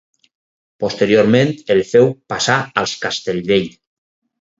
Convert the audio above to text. Posteriorment el feu passà als Castellvell.